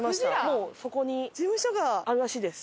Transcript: もうそこに事務所があるらしいです。